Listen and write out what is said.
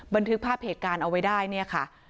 บันทึกภาพเหตุการณ์เอาไว้ได้เนี่ยค่ะ